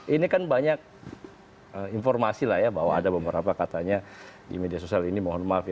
ini kan banyak informasi lah ya bahwa ada beberapa katanya di media sosial ini mohon maaf ya